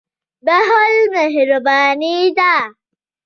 • بخښل مهرباني ده.